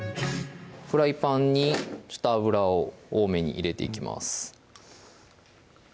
フライパンに油を多めに入れていきます